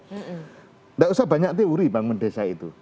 tidak usah banyak teori bangun desa itu